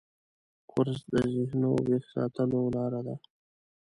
کورس د ذهنو ویښ ساتلو لاره ده.